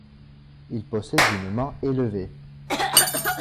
Il possède une main élevée.